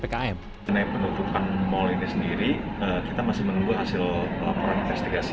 mengenai penutupan mal ini sendiri kita masih menunggu hasil laporan investigasi